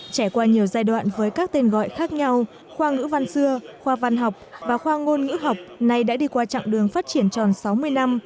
trải qua nhiều giai đoạn với các tên gọi khác nhau khoa ngữ văn xưa khoa văn học và khoa ngôn ngữ học nay đã đi qua chặng đường phát triển tròn sáu mươi năm